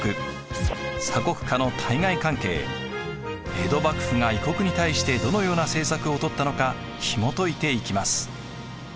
江戸幕府が異国に対してどのような政策をとったのかひもといていきます。